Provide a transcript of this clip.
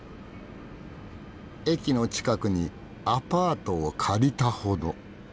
駅の近くにアパートを借りたほど。